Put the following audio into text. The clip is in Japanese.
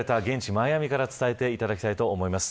マイアミから伝えてもらいたいと思います。